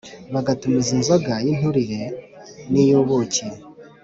Bagatumiz inzoga y inturíre n íiy úubúuki